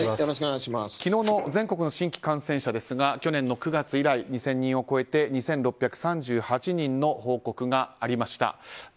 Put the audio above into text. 昨日の全国の新規感染者ですが去年の９月以来２０００人を超えて２６３８人の報告がありました。